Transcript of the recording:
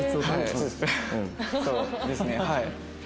そうですねはい。